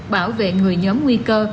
bảo vệ người nhóm nguy cơ